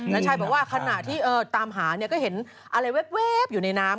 นาชัยบอกว่าขณะที่ตามหาเนี่ยก็เห็นอะไรแว๊บอยู่ในน้ำ